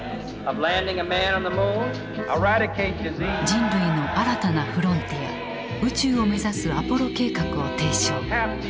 人類の新たなフロンティア宇宙を目指すアポロ計画を提唱。